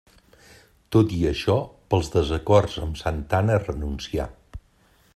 Tot i això pels desacords amb Santa Anna renuncià.